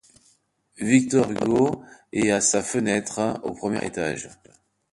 Victor Hugo est à sa fenêtre, au premier étage.